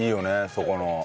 そこの。